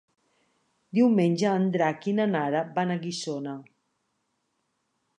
Diumenge en Drac i na Nara van a Guissona.